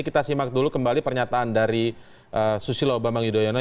kita simak dulu kembali pernyataan dari susilo bambang yudhoyono